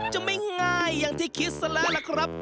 จะไม่ง่ายอย่างที่คิดซะแล้วล่ะครับ